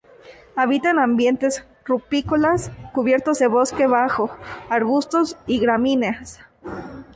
Habita en ambientes rupícolas, cubiertos de bosque bajo, arbustos y gramíneas.